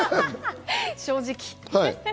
正直。